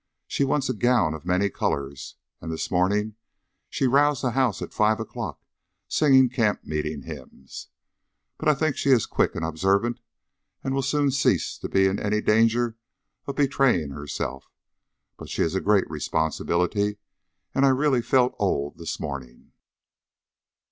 She wants a gown of many colours, and this morning she roused the house at five o'clock singing camp meeting hymns. But I think she is quick and observant, and will soon cease to be in any danger of betraying herself. But she is a great responsibility, and I really felt old this morning."